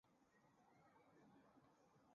大雷夫。